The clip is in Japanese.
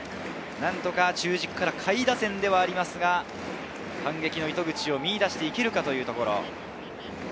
何とか中軸から下位打線ですが、反撃の糸口を見い出していけるかというところ。